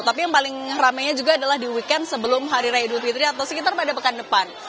tapi yang paling ramainya juga adalah di weekend sebelum hari raya idul fitri atau sekitar pada pekan depan